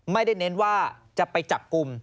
ไม่ได้เน้นว่าจะไปจับกุม